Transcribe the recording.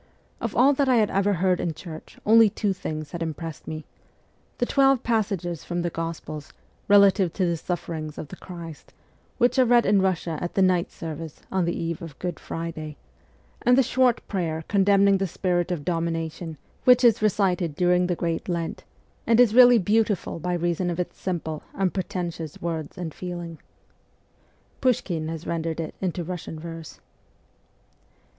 Of all that I ever had heard in church only two things had impressed me : the twelve passages from the Gospels, relative to the sufferings of the Christ, which are read in Russia at the night service on the eve of Good Friday, and the short prayer condemning the spirit of domination, which is recited during the Great Lent, and is really beau tiful by reason of its simple, unpretentious words and feeling. Pushkin has rendered it into Russian verse.